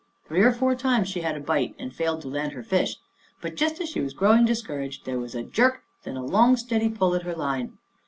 Three or four times she had a bite and failed to land her fish, but just as she was growing discouraged there was a jerk, then a long, steady pull at her line.